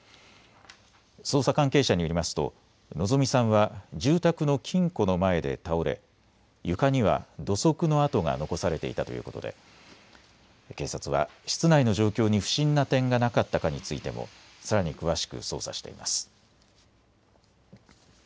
捜査関係者によりますと希美さんは住宅の金庫の前で倒れ床には土足の跡が残されていたということで警察は室内の状況に不審な点がなかったかについてもさらに詳しく捜査しています。